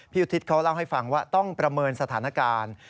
อุทิศเขาเล่าให้ฟังว่าต้องประเมินสถานการณ์